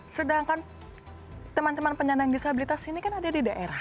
sedangkan teman teman penyandang disabilitas ini kan ada di daerah